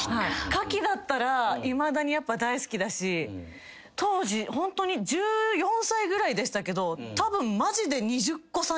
牡蠣だったらいまだにやっぱ大好きだし当時１４歳ぐらいでしたけどたぶんマジで。